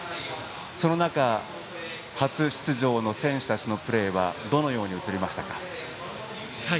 その中で、初出場の選手たちのプレーはどのように映りましたか？